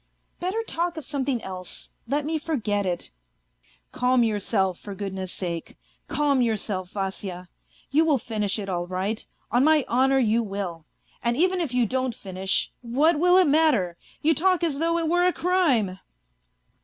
Better talk of something else ; let me forget it." " Calm yourself, for goodness' sake, calm yourself, Vasya. You will finish it all right, on my honour, you will. And even A FAINT HEART 177 if you don't finish, what will it matter ? You talk as though it were a crime